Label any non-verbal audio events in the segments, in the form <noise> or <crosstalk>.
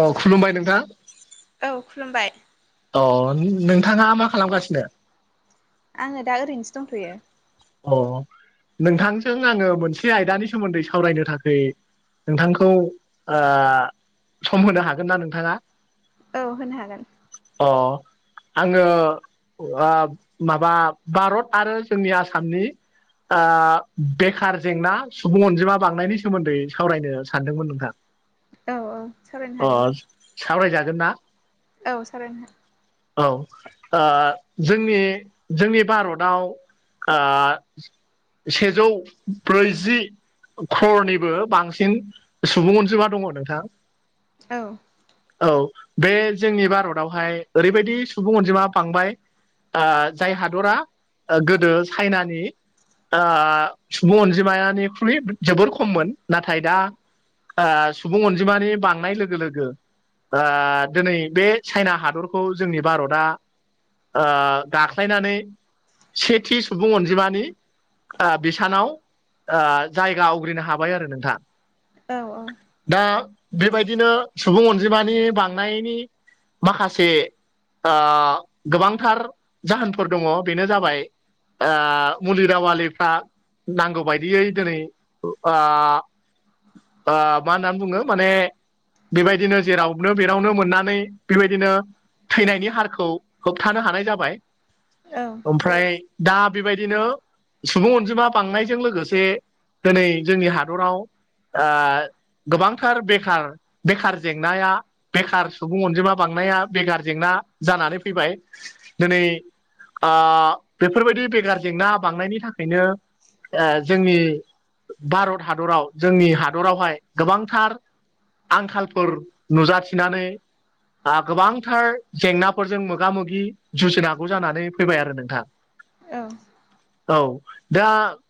अ खुलुमबाय नोंथां औ खुलुमबाय अ नोंथाङा मा खालामगासिनो आङो दा ओरैनोसो दंथ'यो अ नोंथांजों आङो मोनसे आयदानि सोमोन्दै सावरायनो थाखै नोंथांखौ ओ सम होनो हागोन ना नोंथाङा औ होनो हागोन अ आङो ओ माबा भारत आरो जोंनि आसामनि ओ बेखार जेंना सुबुं अनजिमा बांनायनि सोमोन्दै सावरायनो सानदोंमोन नोंथां। औ औ सावरायनो अ हागोन दे। सावरायजागोन ना? औ सारायनो हा औ ओ जोंनि जोंनि भारताव ओ सेजौ ब्रैजि ख्ररनिबो बांसिन सुबुं अनजिमा दङ नोंथां। औ औ बे जोंनि भारतावहाय ओरैबायदि सुबुं अनजिमा बांबाय ओ जाय हादरा गोदो चाइनानि ओ सुबुं अनजिमायानिख्रुइ जोबोर खममोन नाथाय दा ओ सुबुं अनजिमानि बांनाय लोगो लोगो ओ दोनै बे चाइना हादरखौ जोंनि भारतआ ओ गाख्लायनानै सेथि सुबुं अनजिमानि ओ बिसानाव ओ जायगा आवग्रिनो हाबाय आरो नोंथां। औ औ। दा बेबायदिनो सुबुं अनजिमानि बांनायनि माखासे ओ गोबांथार जाहोनफोर दङ बेनो जाबाय ओ मुलि दावालिफ्रा नांगौ बायदियै दोनै ओ ओ मा होननानै बुङो माने बेबायदिनो जेरावनो बेरावनो मोननानै बेबायदिनो थैनायनि हारखौ होबथानो हानाय जाबाय। औ ओमफ्राय दा बेबायदिनो सुबुं अनजिमा बांनायजों लोगोसे दोनै जोंनि हादराव ओ गोबांथार बेखार बेखार जेंनाया बेखार सुबुं अनजिमा बांनाया बेखार जेंना जानानै फैबाय। दोनै आ बेफोरबायदि बेगार जेंना बांनायनि थाखायनो ओ जोंनि भारत हादराव जोंनि हादरावहाय गोबांथार आंखालफोर नुजाथिनानै आ गोबांथार जेंनाफोरजों मोगा मोगि जुजिनागौ जानानै फैबाय आरो नोंथां। औ औ दा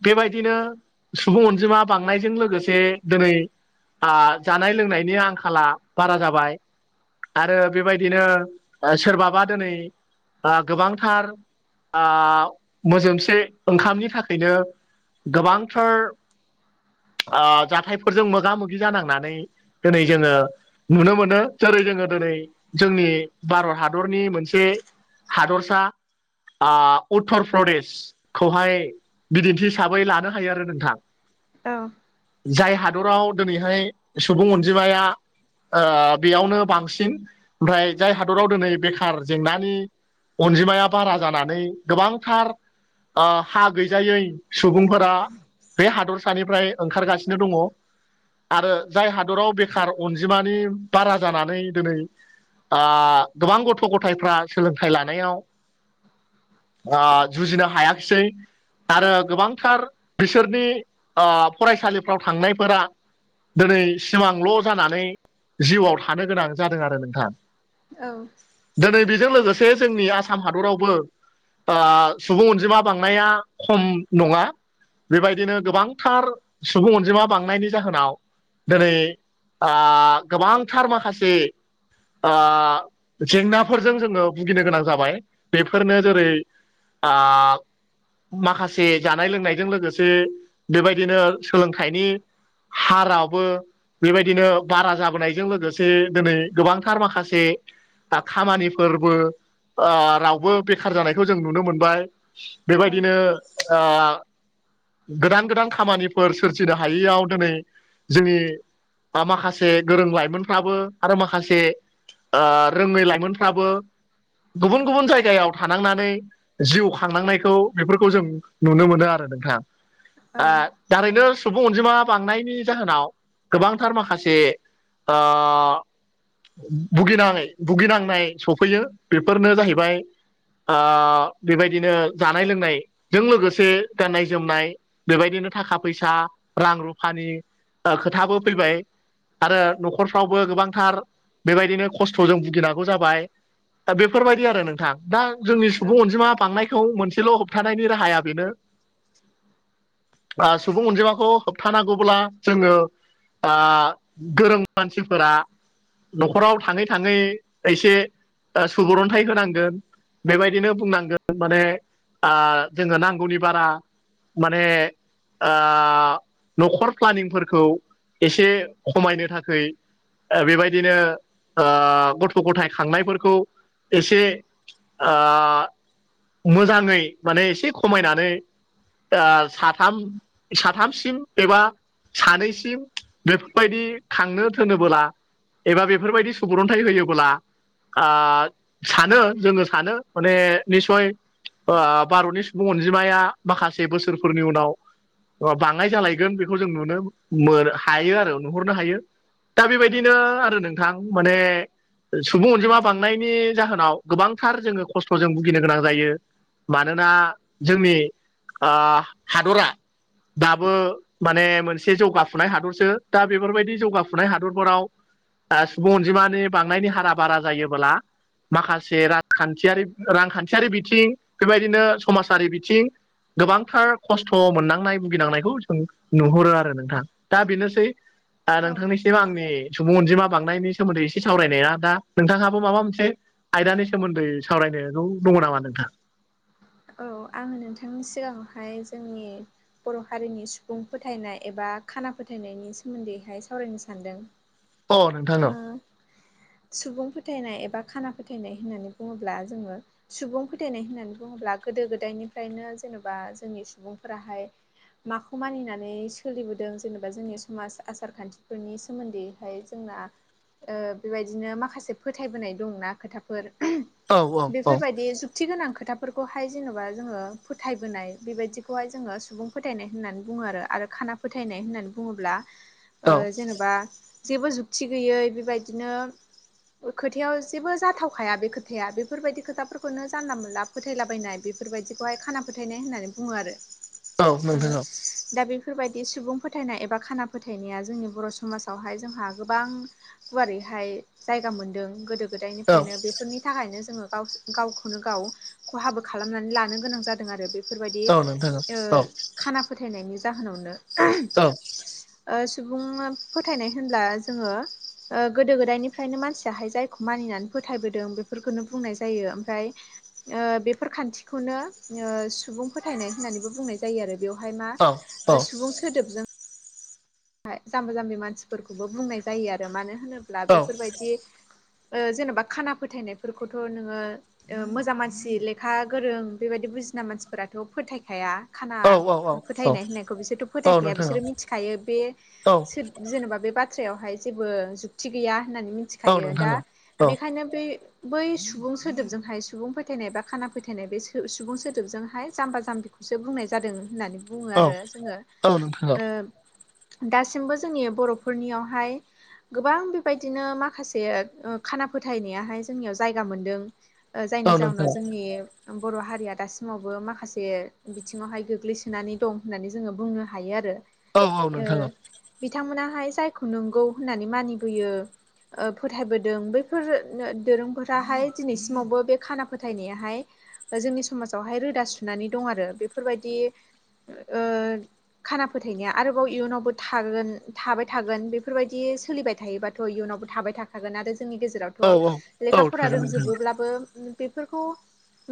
बेबायदिनो सुबुं अनजिमा बांनायजों लोगोसे दोनै आ जानाय लोंनायनि आंखाला बारा जाबाय। आरो बेबायदिनो ओ सोरबाबा दोनै ओ गोबांथार ओ मोजोमसे ओंखामनि थाखैनो गोबांथार ओ जाथायफोरजों मोगा मोगि जानांनानै दोनै जोङो नुनो मोनो जोरै जोङो दोनै जोंनि भारत हादरनि मोनसे हादरसा ओ उत्तर प्रदेश खौहाय बिदिन्थि हिसाबै लानो हायो आरो नोंथां। औ जाय हादराव दोनैहाय सुबुं अनजिमाया ओ बेयावनो बांसिन ओमफ्राय जाय हादराव दोनै बेखार जेंनानि अनजिमाया बारा जानानै गोबांथार ओ हा गैजायै सुबुंफोरा बे हादरसानिफ्राय ओंखारगासिनो दङ। आरो जाय हादराव बेखार अनजिमानि बारा जानानै दोनै ओ गोबां गथ' गथायफ्रा सोलोंथाइ लानायाव ओ जुजिनो हायाखिसै आरो गोबांथार बिसोरनि ओ फरायसालिफ्राव थांनायफोरा दिनै सिमांल' जानानै जिउआव थानो गोनां जादों आरो नोंथां औ दोनै बेजों लोगोसे जोंनि आसाम हादरावबो सुबुं अनजिमा बांनाया खम नङा बेबायदिनो गोबांथार सुबुं अनजिमा बांनायनि जाहोनाव दिनै गोबांथार माखासे ओ जेंनाफोरजों जोङो भुगिनो गोनां जाबाय फोरनो जेरै ओ माखासे जानाय लोंनायजों लोगोसे बेबायदिनो सोलोंथाइनि हाराबो बेबायदिनो बारा जाबोनायजों लोगोसे दिनै गोबांथार माखासे दा खामानिफोरबो ओ रावबो बेखार जानायखौ जों नुनो मोनबाय बेबायदिनो गोदान गोदान खामानिफोर सोरजिनो हायैयाव दोनै जोंनि बा माखासे गोरों लाइमोनफ्राबो आरो माखासे ओ रोङै लाइमोनफ्राबो गुबुन गुबुन जायगायाव थानांनानै जिउ खांनांनायखौ बेफोरखौ जों नुनो मोनो आरो नोंथाङा आ दारैनो सुबुं अनजिमा बांनायनि जाहोनाव गोबांथार माखासे ओ भुिनाङायै भुगिनांनाय सौफैयो बेफोरनो जाहैबाय ओ बेबायदिनो जानाय लोंनायजों लोगोसे गाननाय जोमनाय। बेबायदिनो थाखा फैसा रां रुफानि ओ खोथाबो फैबाय। आरो न'खरफ्रावबो गोबांथार बेबायदिनो खस्थ'जों भुगिनांगौ जाबाय। दा बेफोरबायदि आरो नोंथां दा जोंनि सुबुं अनजिमा बांनाय। खौ मोनसेल' होबथानायनि राहाया बेनो। सुबुं अनजिमाखौ होबथानांगौब्ला जोङो ओ गोरों मानसिफोरा न'खराव थाङै थाङै एसे सुबुरन्थाइ होनांगोन बेबायदिनो बुंनांगोन माने जोङो नांगौनि बारा माने ओ न'खर प्लानिंफोरखौ एसे खमायनो थाखै बेबायदिनो गथ' गथाय खांनायफोरखौ एसे ओ मोजाङै माने एसे ख'मायनानै साथाम साथामसिम एबा सानैसिम बेफोरबायदि खांनो थोनोबोला। एबा बेफोरबायदि सुबुरन्थाइ होयोब्ला सानो जोङो सानो माने निसय भारतनि सुबुं अनजिमाया माखासे बोसोरफोरनि उनाव बाङायै जालायगोन बेखौ जों नुनो हायो आरो नुहरनो हायो। दा बेबायदिनो आरो नोंथां माने सुबुं अनजिमा बांनायनि जाहोनाव गोबां थार जोङो खस्थ'जों भुगिनो गोनां जायो मानोना जोंनि हादरा दाबो माने मोनसे जौगाफुनाय हादरसो दा बेफोरबायदि जौगाफुनाय हादरफोराव सुबुं अनजिमानि बांनायनि हारा बारा जायोबोब्ला माखासे खान्थियारि रांखान्थियारि बिथिं बेबायदिनो समाजारि बिथिं गोबांथार खस्थ' मोननांनाय भुगिनांनायखौ जों नुहुरो आरो नोंथाङा दा बेनोसै औ नोंथांनिसिम आंनि सुबुं अनजिमा बांनायनि सोमोन्दै एसे सावरायनाया दा नोंथाङाबो माबा मोनसे आयदानि सोमोन्दै सावरायनो दङ नामा नोंथां? औ आंङो नोंथांनि सिगाङाव हाय जोंनि बर' हारिनि सुबुं फोथायनाय एबा खाना फोथायनायनि सोमोन्दैहाय सावरायनो सान्दों। अ नोंथां सुबुं फोथायनाय एबा खाना फोथायनाय होननानै बुङोब्ला जोङो सुबुं फोथायनाय होननानै बुङोब्ला गोदो गोदायनिफ्रायनो जेन'बा जोंनि सुबुंफोराहाय माखौ मानिनानै सोलिबोदों जेनेबा जोंनि समाज आसार खान्थिफोरनि सोमोन्दैहाय जोंना ओ बेबायदिनो माखासे फोथायबोनाय दंना खोथाफोर औ औ औ बेफोरबायदि जु जुगथि गोनां खोथाफोरखौ हाय जेन'बा जोंङो फोथायबोनाय बेबायदिखौ हाय जोंङो सुबुं फोथायनाय होननानै बुङो आरो खाना फोथायनाय होननानै बुङोब्ला <inaudible> ओ जेनेबा जेबो जुथि गैयै बेबायदिनो खोथायाव जेबो जाथावखाया बे खोथाया बेफोरबायदि खोथाफोरखौनो जानला-मोनला फोथायलाबायनाय बेफोरबायदिखौहाय खाना फोथायनाय होननानै बुङो आरो। औ नोंथां औ दा बेफोरबायदि सुबुं फोथायनाय एबा खाना फोथायनाया जोंनि बर' समाजावहाय जोंहा गोबां गुवारैहाय जायगा मोनदों गोदो औ गोदायनिफ्रायनो बे फोरनि थाखायनो जोङो गावखौनो गाव खहाबो खालामनानै लानो गोनां जादों आरो बे बेफोरबायदि औ नोंथां औ खाना फोथायनायनि जाहोनावनो। <inaudible> सुबुं फोथायनाय होनब्ला जोंङो ओगोदो-गोदायनिफ्रायनो मानसियाहाय जायखौ मानिनानै फोथायबोदों बेफोरखोनो बुंनाय जायो ओमफ्राय बेफोर खान्थिखौनो सुबुं फोथायनाय होननानैबो बुंनाय जायो। जायो आरो बेयावहाय मा औ औ सुबुं सोदोबजों जाम्बा जाम्बि मानसिफोरखौबो बुंनाय जायो आरो मानो होनोब्ला बेफोर बायदि जेन'बा खाना फोथायनायफोरखौथ' नोङो ओ मोजां मानसि लेखा गोरों बेबायदि बुजिना मानसिफोराथ' फोथाय खाया खाना औ नोंथां औ फोथायनाय होननायखौ बिसोरथ' औ फोथायखाया नोंथां औ बिसोरो मिथिखायो बे औ। जेनेबा बे बाथ्रायावहाय जेबो जुक्ति गैया होननानै औ औ मिथिखायो दा नोंथां औ नोंथां औ नोंथां औ औ बेखायनो बे बै सुबुं सोदोबजोंहाय सुबुं फोथायनाय बा खाना फोथायनाय बे सुबुं सोदोबजों हाय जाम्बा जाम्बिखौ सो बुंनाय जादों होननानै बुंङो आरो जोंङो थागोन नोंथां ओ दासिमबो जोंनि बर'फोरनियाव हाय गोबां बेबायदिनो माखासे ओ खाना फोथायनायाहाय जोंनियाव जायगा मोनदों। औ जायनि नोंथां जााहोनाव जोंनि बर' हारिया दासिमावबो माखासे बिथिङाव हाय गोग्लैसोनानै दं होननानै जोंङो बुंनो हायो आरो। औ औ ओ नोंथां औ बिथांमोना हाय जायखौ नंगौ होननानै मानिबोयो। फोथायबोदों बैफोर दोरोंफोरा हाय दिनैसिमावबो बे खाना फोथायनाया हाय जोंनि समाजावहाय रोदा सुनानै दं आरो बेफोर बायदि खाना फोथायनाया आरो इयुनावबो थागोन थाबाय थागोन बेफोरबायदि सोलिबाय थायोबाथ' इयुनावबो थाबाय थाखागोन। थागोन आरो जोंनि औ गेजेरावथ' लेखा नोंथां औ फरा रोंजोबोब्लाबो उम। बेफोरखौ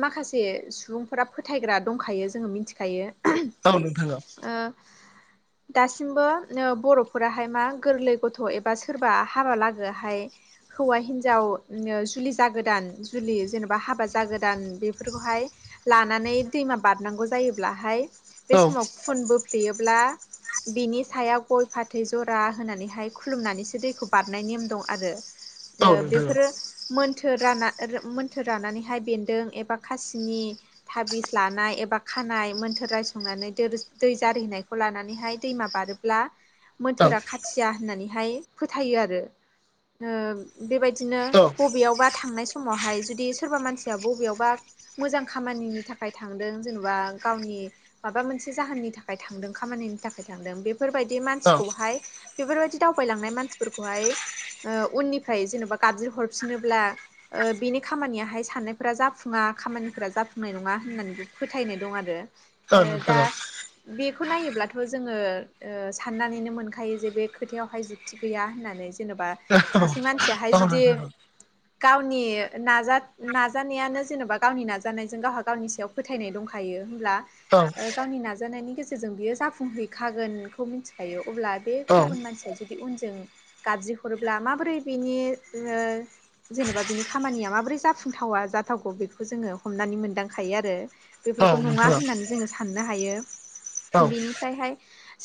माखासे सुबुंफोरा फोथायग्रा दंखायो जोङो मिथिखायो। औ नोंथां औ। ओ। दासिमबो बर'फोराहाय मा गोरलै गथ' एबा सोरबा हाबालागोआहाय। हौवा हिनजाव जुलि जागोदान जुलि जेनेबा हाबा जागोदान बेफोरखौ हाय। लानानै दैमा बारनांगौ जायोब्लाहाय बे समाव फुन बोफ्लेयोब्ला बिनि सायाव गय फाथै जरा होनानैहाय खुलुमनानैसो दैखौ बारनाय नेम दं आरो ओ बेफोरो, मोन्थोर राना मोन्थोर रानानैहाय बेन्दों एबा खासिनि थाबिस लानाय एबा खानाय मोन्थोर रायसंनानै दै जारिहैनायखौ लानानै हाय। दैमा बारोब्ला मोनथोरा खाथि या होननानै फोथायो आरो ओ बेबायदिनो बबेयावबा थांनाय समावहाय जुदि सोरबा मानसिया बबेयावबा। मोजां खामानिनि थाखाय थांदों जेन'बा गावनि माबा मोनसे जाहोननि थाखाय थांदों खामानिनि थाखाय थांदों बेफोरबायदि मानसिखौहाय। बेफोरबायदि दावबायलांनाय मानसिफोरखौहाय ओ उननिफ्राय जेन'बा गाबज्रि हरफिनोब्ला। ओ बेनि खामानिया हाय साननायफोरा जाफुङा खामानिफोरा जाफुंनाय नङा होननानैबो फोथायनाय दं आरो ओ दा बेखौ नायोब्लाथ' बेखौ जोङो ओ साननानैनो मोनखायो जे बे खोथायाव हाय जुक्ति गैया होननानै। जेनेबा सासे मानसिया हाय औ जुदि। नोंथां गावनि नाजा नाजानायानो जेनेबा गावनि नाजानायजों गावहा गावनि सायाव। फोथायनाय दंखायो होमब्ला औ गावनि नाजानायनि गेजेरजों बियो जाफुं फुंहैखागोनखौ मिथिखायो अब्ला बे औ गुबुन मानसिया जुदि उनजों। गाबज्रि हरोब्ला माबोरै बिनि ओ, जेन'बा बिनि खामानिया माबोरै जाफुंथावा जाथावखौ बेखौ जोङो हमनानै मोनदांखायो आरो बेफोरखौ नङा नोंथां होननानै जोंङो साननो हायो औ बेनिफ्राय हाय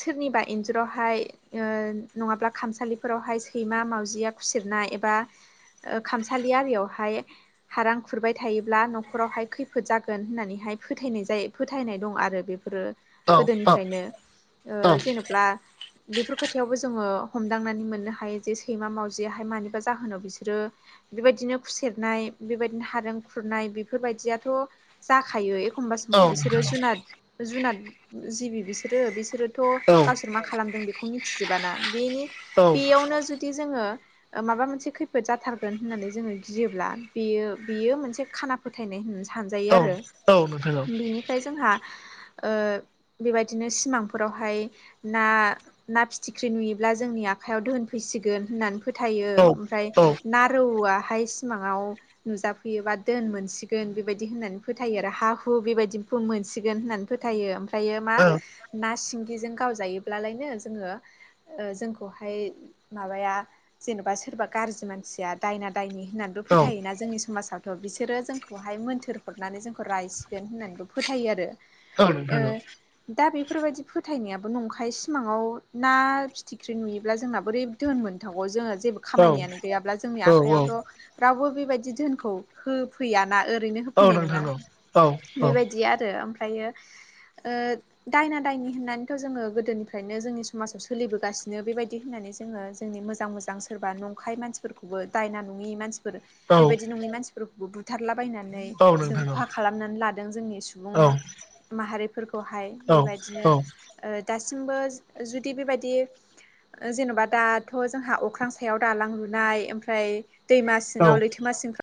सोरनिबा इन्जुरावहाय। ओ नङाब्ला खामसालिफोरावहाय सैमा मावजिया खुसिरनाय एबा, ओ खामसालि आरियावहाय। हारां खुरबाय थायोब्ला न'खरावहाय खैफोद जागोन होननानैहाय फोथायनाय जायो। फोथायनाय दं आरो बेफोरो औ ओ खायनो ओ जेनेब्ला। बेफोर खोथायावबो जोंङो हमदांनानै मोननो हायो जे सैमा मावजिया हाय मानिबा जाहोनाव बिसोरो। बेबायदिनो खुसेरनाय बेबायदिनो हारें खुरनाय बेफोर बायदियाथ'। जाखायो एखमबा औ समाव बिसोरो जुनाद जुनार जिबि बिसोरो बिसोरोथ' औ गावसोर मा खालामदों बेखौ मिथिजोबाना बेनि औ बेयावनो जुदि जोंङो। माबा मोनसे खैफोद जाथारगोन होननानै जोङो गियोब्ला बेयो बेयो मोनसे। खाना फोथायनाय होनना औ सानजायो आरो नोंथां बिनिफ्राय जोंहा ओ बेबायदिनो सिमांफोरावहाय। ना ना फिथिख्रि नुयोब्ला जोंनि आखाइयाव दोहोन फैसिगोन होननानै फोथायो औ ओमफ्राय। ना रौआहाय सिमाङाव नुजाफैयोबा दोन मोनसिगोन बेबायदि होननानै फोथायो आरो हा हु बेबायदि मोनसिगोन होननानै। फोथायो ओमफ्रायो मा? औ ना सिंगिजों गावजायोब्लालायनो जोङो। ओ जोंखौहाय माबाया जेन'बा सोरबा गाज्रि मानसिया दायना दायनि होननानैबो नोंथां औ नोंथां फोथायोना जोंनि समाजाव बिसोरो जोंखौहाय मोन्थोर हरनानै जोंखौ रायसिगोन होननानैबो फोथायो आरो औ ओ नोंथां औ। दा बेफोरबायदि फोथायनायाबो नंखाय सिमाङाव ना फिथिख्रि नुयोब्ला जोंना बोरै धोन मोनथावहो जोङो। जेबो खामानियानो गैयाब्ला जोंनि आखाइयावथ' रावबो बेबायदि धोनखौ होफैया ना ओरैनो होफैनाय नोङा बेबायदि आरो ओमफ्रायो ओ। दायना दायनि होननानैथ' जोङो गोदोनिफ्रायनो जोंनि समाजाव सोलिबोगासिनो बेबायदि होननानै जोङो जोंनि मोजां मोजां दां सोरबा नंखाय मानसिफोरखौबो दायना नङि मानसिफोर बेबायदि औ नङि मानसिफोरखौबो बु थारलाबायनानै जों खहा खालामनानै लादों जोंनि सुबुं माहारिफोरखौहाय। औ बेबायदिनो औ ओ दासिमबो जुदि बेबायदि। जेन'बा दाथ' जोंहा अख्रां सायाव दालां लुनाय ओमफ्राय दैमा औ सिङाव लैथोमा सिंफ्राव